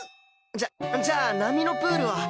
じゃじゃあ波のプールは。